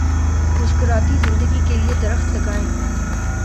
مسکراتی زندگی کے لیے درخت لگائیں۔